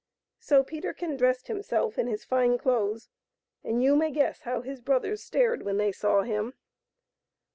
So Peterkin dressed himself in his fine clothes, and you may guess how his brothers stared when they saw him.